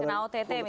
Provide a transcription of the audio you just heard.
kena ott misalnya